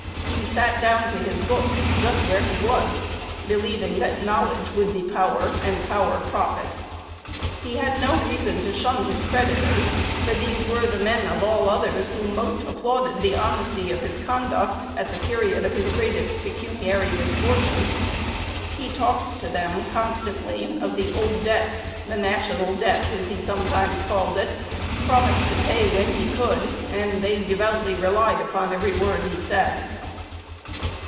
He sat down to his books just where he was, believing that knowledge would be power, and power profit. He had no reason to shun his creditors, for these were the men of all others who most applauded the honesty of his conduct at the period of his greatest pecuniary misfortune. He talked to them constantly of the "old debt," "the national debt," as he sometimes called it, promised to pay when he could, and they devoutly relied upon every word he said.